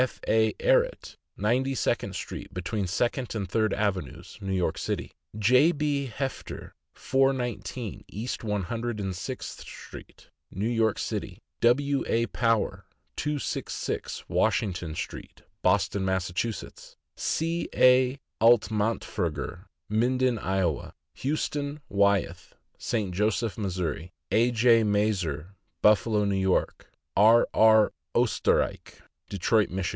F. A. Ehret, Ninety second street, between Second and Third avenues, New York City; J. B. Hefter, 419 East One Hundred and Sixth street, New York City; W. A. Power, 266 Washington street, Boston, Mass.; C. A. Altmantferger, Minden, Iowa; Huston Wyeth, St. Joseph, Mo. ; A. J. Maerz, Buffalo, N. Y.; R. R. Oesterrich, Detroit, Mich.